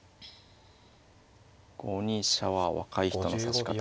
５二飛車は若い人の指し方。